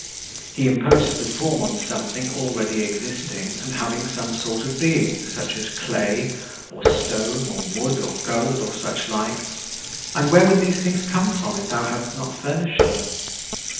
He imposes the form on something already existing and having some sort of being, such as clay, or stone or wood or gold or such like (and where would these things come from if thou hadst not furnished them?).